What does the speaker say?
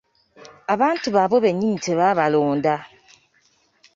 Abantu baabwe bennyini tebaabalonda.